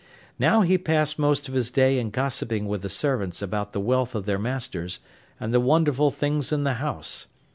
Now he passed most of his day in gossiping with the servants about the wealth of their masters and the wonderful things in the house.